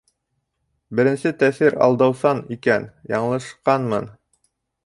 Беренсе тәьҫир алдаусан икән, яңылышҡанмын.